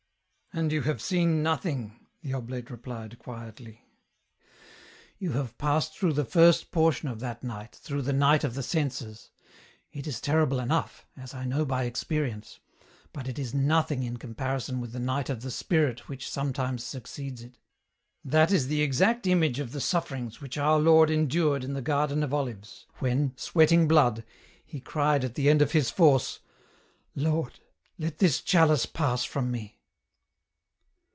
" And you have seen nothing," the oblate replied quietly ;" you have passed through the first portion of that night, through the night of the senses ; it is terrible enough, as I know by experience, but it is nothing in comparison with the Night of the Spirit which sometimes succeeds it. That is the exact image of the sufferings which our Lord endured in the Garden of Olives, when, sweating blood, He cried at the end of His force, ' Lord, let this chalice pass from me.'